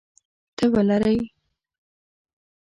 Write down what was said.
تبه لرئ؟